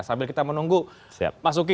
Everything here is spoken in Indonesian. sambil kita menunggu mas uki